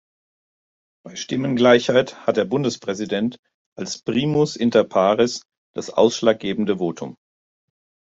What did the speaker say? Bei Stimmengleichheit hat der Bundespräsident als «primus inter pares» das ausschlaggebende Votum.